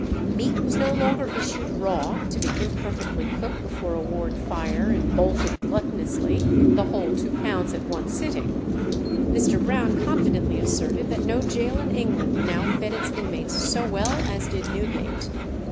Meat was no longer issued raw, to be imperfectly cooked before a ward fire and bolted gluttonously, the whole two pounds at one sitting. Mr. Brown confidently asserted that no gaol in England now fed its inmates so well as did Newgate.